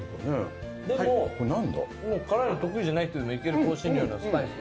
でも辛いの得意じゃない人でもいける香辛料のスパイス。